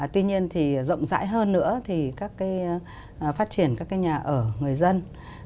tuy nhiên thì rộng rãi hơn nữa thì các cái phát triển các cái nhà ở người dân